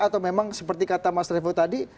atau memang seperti kata mas revo tadi